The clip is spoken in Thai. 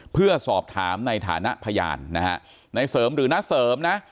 เพื่อสอบถามในฐานะพยานนะฮะในเสริมหรือน้าเสริมนะ